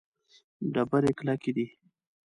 ډبرې کلکې دي.